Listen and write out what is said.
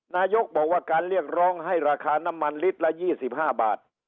นายกบอกว่าการเรียกร้องให้ราคาน้ำมันลิตรละ๒๕บาท